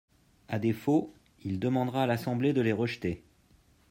À défaut, il demandera à l’Assemblée de les rejeter.